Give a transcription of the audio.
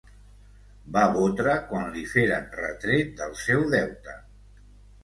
Va botre quan li feren retret del seu deute.